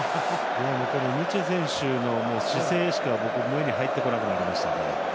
ヌチェ選手の姿勢しか僕、目に入ってこなくなりましたね。